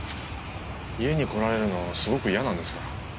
家に来られるのすごく嫌なんですが。